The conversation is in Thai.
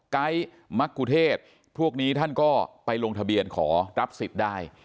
ไก๊มักกุเทศพวกนี้ท่านก็ไปลงทะเบียนขอรับสิทธิ์ได้